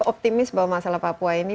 optimis bahwa masalah papua ini